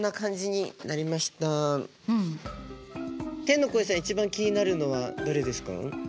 天の声さん一番気になるのはどれですか？